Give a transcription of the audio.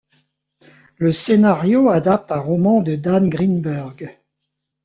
Le scénario adapte un roman de Dan Greenburg.